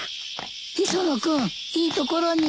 磯野君いいところに。